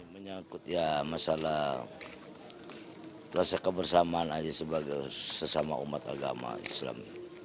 menyangkut ya masalah rasa kebersamaan aja sebagai sesama umat agama islam